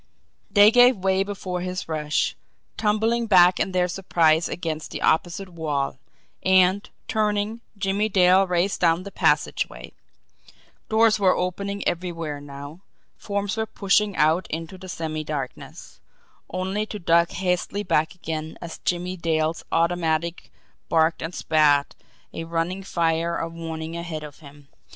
They gave way before his rush, tumbling back in their surprise against the opposite wall; and, turning, Jimmie Dale raced down the passageway. Doors were opening everywhere now, forms were pushing out into the semi darkness only to duck hastily back again, as Jimmie Dale's automatic barked and spat a running fire of warning ahead of him.